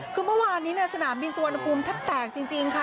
คือเมื่อวานนี้สนามบินสุวรรณภูมิแทบแตกจริงค่ะ